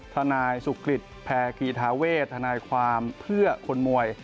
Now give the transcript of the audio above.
ทนายสุกฤษแพรกีธาเวทธนายความเพื่อคนมวย